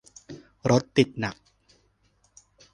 รถติดหนัก